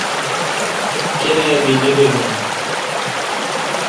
کیرا بی نہ با بو۔